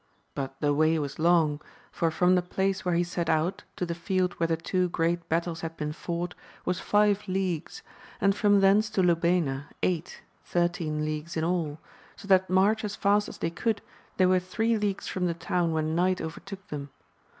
But the way was long ; for from the place where he set out, to the field where the two great battles had been fought, was five leagues, and from thence to Lubayna eight, thirteen leagues in all, so that march as fast as they could they were three leagues from the town when night overtook them.